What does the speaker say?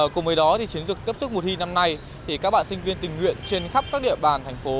cùng với đó chiến dựng tiếp sức mùa thi năm nay các bạn sinh viên tình nguyện trên khắp các địa bàn thành phố